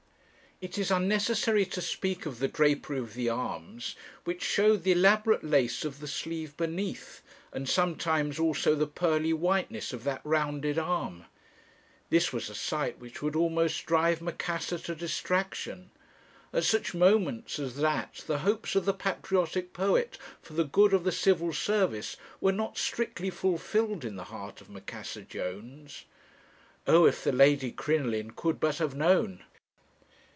"It is unnecessary to speak of the drapery of the arms, which showed the elaborate lace of the sleeve beneath, and sometimes also the pearly whiteness of that rounded arm. This was a sight which would almost drive Macassar to distraction. At such moments as that the hopes of the patriotic poet for the good of the Civil Service were not strictly fulfilled in the heart of Macassar Jones. Oh, if the Lady Crinoline could but have known!